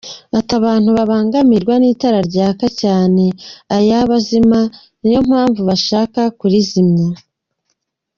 Ati “Abantu babangamirwa n’itara ryaka cyane ayabo azima niyo mpamvu bashaka kurizimya.